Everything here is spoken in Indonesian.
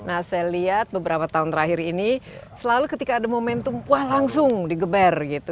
nah saya lihat beberapa tahun terakhir ini selalu ketika ada momentum wah langsung digeber gitu